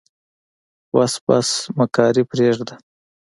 بس بس مکاري پرېده.